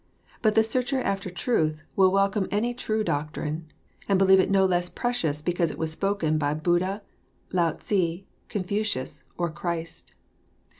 But the searcher after Truth will welcome any true doctrine, and believe it no less precious because it was spoken by Buddha, Lao Tze, Confucius or Christ.